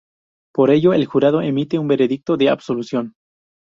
Por ello, el jurado emite un veredicto de absolución.